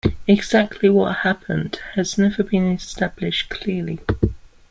Exactly what happened has never been established clearly.